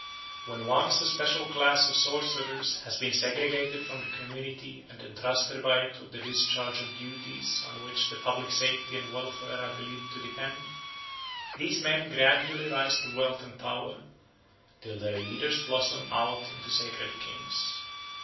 When once a special class of sorcerers has been segregated from the community and entrusted by it with the discharge of duties on which the public safety and welfare are believed to depend, these men gradually rise to wealth and power, till their leaders blossom out into sacred kings.